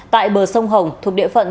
tại bờ sông hồng thuộc địa phận